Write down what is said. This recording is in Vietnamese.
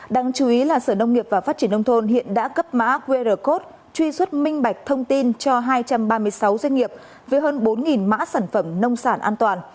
đáng chú ý là sở nông nghiệp và phát triển nông thôn hiện đã cấp mã qr code truy xuất minh bạch thông tin cho hai trăm ba mươi sáu doanh nghiệp với hơn bốn mã sản phẩm nông sản an toàn